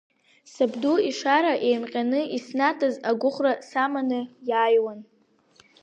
Сабду ишара еимҟьара иснаҭаз агәыӷра саманы иааиуан.